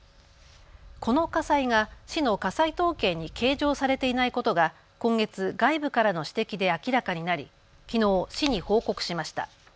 この火災が市の火災統計に計上されていないことが今月、外部からの指摘で明らかになりきのう市に報告しました。